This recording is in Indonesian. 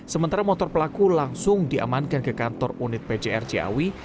sementara motor pelaku langsung diamankan ke kantor unit pjr ciawi